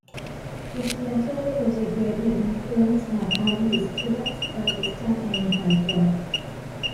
His methodology greatly influenced not only his students, but the stammaim, as well.